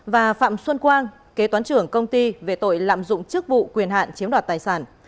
và phạm xuân quang kế toán trưởng công ty về tội lạm dụng chức vụ quyền hạn chiếm đoạt tài sản